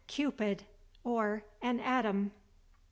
—CUPID, OR AN ATOM.